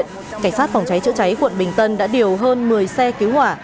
cảnh sát phòng cháy chữa cháy quận bình tân đã điều hơn một mươi xe cứu hỏa